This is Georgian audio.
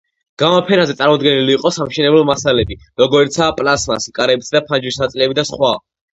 გამოფენაზე წარმოდგენილი იყო სამშენებლო მასალები, როგორიცაა, პლასტმასი, კარებისა და ფანჯრის ნაწილები და სხვა.